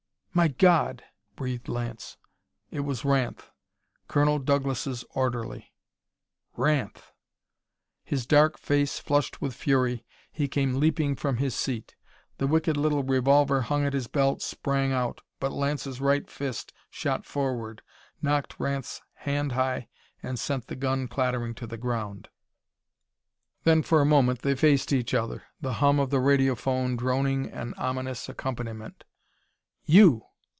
"My God!" breathed Lance. It was Ranth, Colonel Douglas' orderly! Ranth! His dark face flushed with fury, he came leaping from his seat. The wicked little revolver hung at his belt sprang out, but Lance's right fist shot forward, knocked Ranth's hand high and sent the gun clattering to the ground. Then, for a moment, they faced each other, the hum of the radiophone droning an ominous accompaniment. "You!"